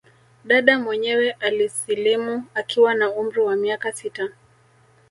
Dada mwenyewe alisilimu akiwa na umri wa miaka sita